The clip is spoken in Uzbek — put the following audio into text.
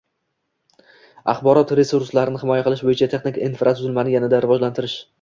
axborot resurslarini himoya qilish bo'yicha texnik infratuzilmani yanada rivojlantirish;